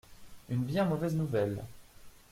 Une bien mauvaise nouvelle.